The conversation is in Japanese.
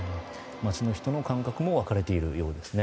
人の感覚も分かれているようですね。